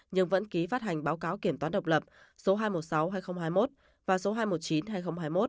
nhưng vẫn ký phát hành báo cáo kiểm toán độc lập số hai trăm một mươi sáu hai nghìn hai mươi một và số hai trăm một mươi chín hai nghìn hai mươi một